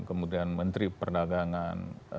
kemudian menteri perdagangan